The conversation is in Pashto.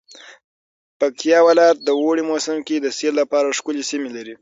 پکتيا ولايت د اوړی موسم کی د سیل لپاره ښکلی سیمې لری